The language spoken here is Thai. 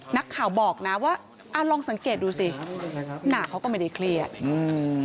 นักข่าวบอกนะว่าอ่าลองสังเกตดูสิหน้าเขาก็ไม่ได้เครียดอืม